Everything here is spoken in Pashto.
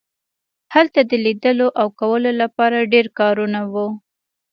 هلته د لیدلو او کولو لپاره ډیر کارونه وو